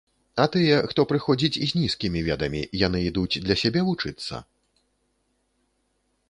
А тыя, хто прыходзіць з нізкімі ведамі, яны ідуць для сябе вучыцца?